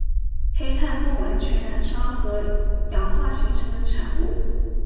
黑碳不完全燃烧和氧化形成的产物。